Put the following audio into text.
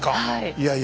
いやいや。